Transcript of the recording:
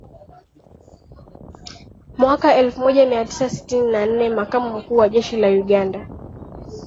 mwaka elfu moja mia tisa sitini na nne Makamu Mkuu wa Jeshi la Uganda